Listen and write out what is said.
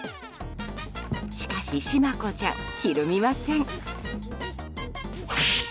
しかし、しま子ちゃんひるみません。